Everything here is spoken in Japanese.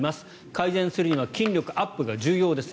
改善するには筋力アップが重要です。